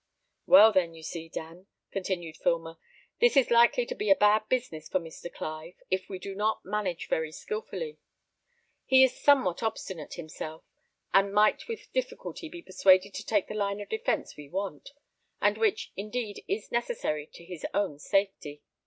"Well then, you see, Dan," continued Filmer, "this is likely to be a bad business for Mr. Clive, if we do not manage very skilfully. He is somewhat obstinate himself, and might with difficulty be persuaded to take the line of defence we want, and which indeed is necessary to his own safety.